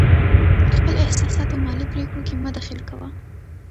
خپل احساسات په مالي پرېکړو کې مه دخیل کوه.